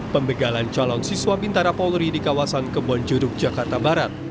pembegalan calon siswa bintara polri di kawasan kebonjuruk jakarta barat